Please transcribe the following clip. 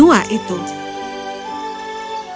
kau tahu itu adalah kebaikan yang akan berlaku